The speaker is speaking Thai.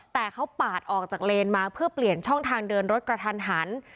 แต่เขาปาดออกจากเลนมาเพื่อเปลี่ยนช่องทางเดินรถกระทันหัน